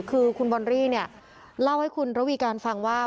คือคุณบอรี่เนี่ยเล่าให้คุณระวีการฟังว่า